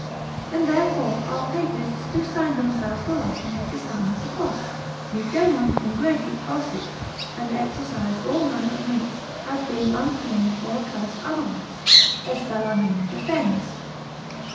And therefore our Papists do sign themselves so often with the sign of the cross, Ne daemon ingredi ausit, and exorcise all manner of meats, as being unclean or accursed otherwise, as Bellarmine defends.